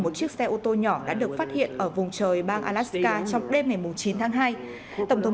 một chiếc xe ô tô nhỏ đã được phát hiện ở vùng trời bang alaska trong đêm ngày chín tháng hai tổng thống